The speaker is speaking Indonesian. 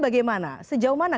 bagaimana menurut anda